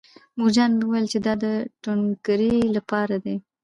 مورجانې مې وویل چې دا د ټونګرې لپاره دی